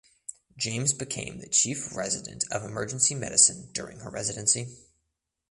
James became the Chief Resident of emergency medicine during her residency.